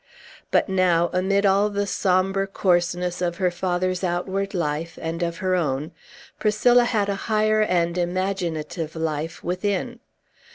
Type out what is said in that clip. But now, amid all the sombre coarseness of her father's outward life, and of her own, Priscilla had a higher and imaginative life within.